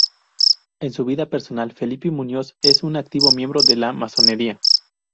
En su vida personal Felipe Muñoz es un activo miembro de la masonería.